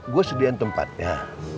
gue sediain tempatnya